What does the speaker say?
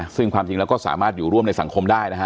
ซึ่งความจริงแล้วก็สามารถอยู่ร่วมในสังคมได้นะฮะ